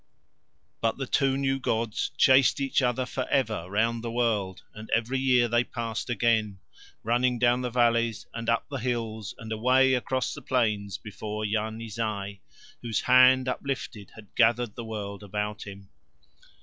But the two new gods chased each other for ever round the world, and every year they passed again, running down the valleys and up the hills and away across the plains before Yarni Zai, whose hand uplifted had gathered the world about him.